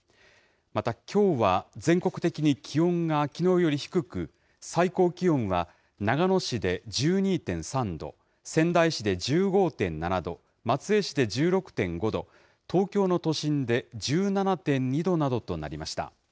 また、きょうは全国的に気温がきのうより低く、最高気温は長野市で１２．３度、仙台市で１５．７度、松江市で１６．５度、東京の都心で１７．２度などとなりました。